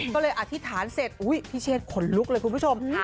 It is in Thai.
ก็เลยอธิษฐานเสร็จพี่เชษขนลุกเลยคุณผู้ชม